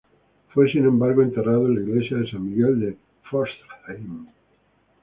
Fue, sin embargo, enterrado en la iglesia de san Miguel de Pforzheim.